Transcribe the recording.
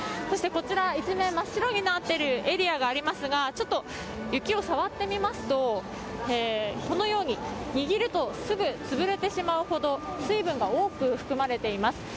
そしてこちら一面真っ白になっているエリアがありますがちょっと雪を触ってみますと握るとすぐ潰れてしまうほど水分が多く含まれています。